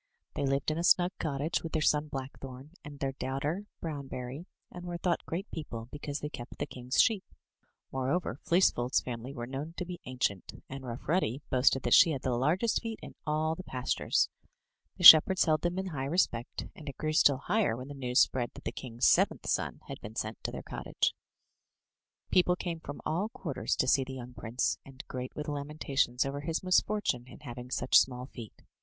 They lived in a snug cottage with their son, Blackthorn, and their daughter, Brownberry, and were thought great people, because they kept the king's sheep. More over, Fleecef old's family were known to be ancient; and Rough Ruddy boasted that she had the largest feet in all the pastures. The shepherds held them in high respect, and it grew still higher when the news spread that the king's seventh son had been sent to their cottage. People came from all quarters to see the young prince, and great were the lamentations over his misfor time in having such small feet.